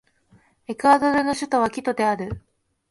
エクアドルの首都はキトである